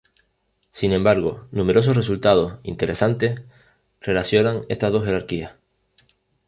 Sin embargo, numerosos resultados interesantes relacionan estas dos jerarquías.